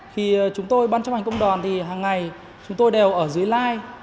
khi chúng tôi ban chấp hành công đoàn thì hằng ngày chúng tôi đều ở dưới live